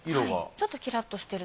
ちょっとキラッとしてる。